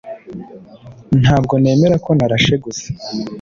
Ntabwo nemera ko narashe gusa